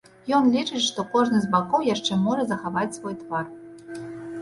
Ён лічыць, што кожны з бакоў яшчэ можа захаваць свой твар.